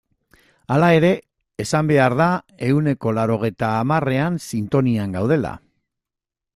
Hala ere, esan behar da ehuneko laurogeita hamarrean sintonian gaudela.